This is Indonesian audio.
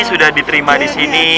sudah diterima disini